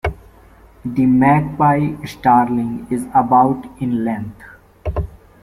The magpie starling is about in length.